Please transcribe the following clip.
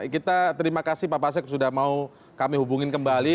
kita terima kasih pak pasek sudah mau kami hubungin kembali